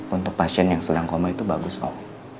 untuk pasien yang sedang koma itu bagus kok